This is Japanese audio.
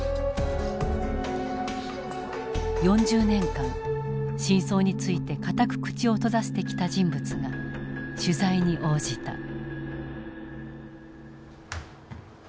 ４０年間真相について固く口を閉ざしてきた人物が取材に応じた。